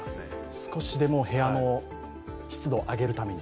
少しでも部屋の湿度を上げるために？